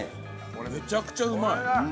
めちゃくちゃうまい。